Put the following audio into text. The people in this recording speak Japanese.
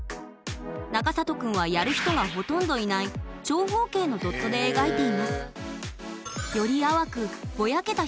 中里くんはやる人がほとんどいない長方形のドットで描いています